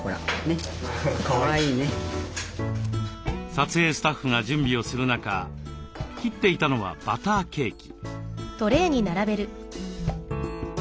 撮影スタッフが準備をする中切っていたのはバターケーキ。